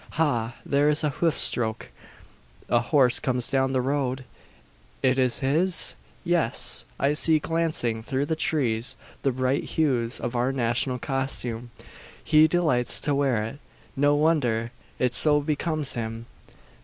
"Ha! There is a hoof stroke! A horse comes down the road! It is his? Yes. I see glancing through the trees the bright hues of our national costume. He delights to wear it. No wonder; it so becomes him!